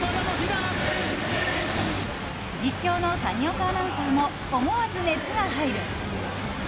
実況の谷岡アナウンサーも思わず熱が入る！